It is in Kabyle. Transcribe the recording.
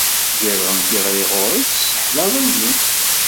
Gerɣ-en tiɣri ɣur-k, tesseḥlaḍ-iyi.